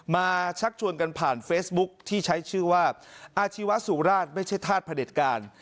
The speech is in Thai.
ชักชวนกันผ่านเฟซบุ๊คที่ใช้ชื่อว่าอาชีวสุราชไม่ใช่ธาตุพระเด็จการ